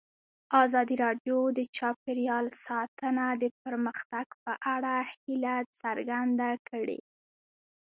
ازادي راډیو د چاپیریال ساتنه د پرمختګ په اړه هیله څرګنده کړې.